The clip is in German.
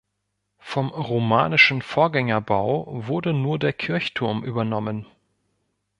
Vom romanischen Vorgängerbau wurde nur der Kirchturm übernommen.